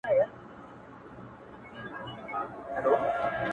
راته ښكلا راوړي او ساه راكړي-